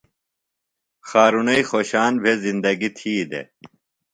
خارُݨئی خوشان بھےۡ زندگیۡ تھی دےۡ۔